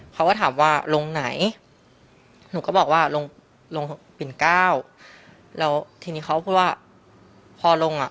เขาก็ถามว่าลงไหนหนูก็บอกว่าลงลงปิ่นเก้าแล้วทีนี้เขาพูดว่าพอลงอ่ะ